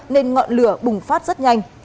nên ngọn lửa bùng phát rất nhanh